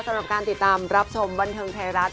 สำหรับการติดตามรับชมบันเทิงไทยรัฐ